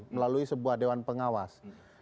melalui sebuah dewan pengawas